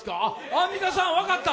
アンミカさん分かった？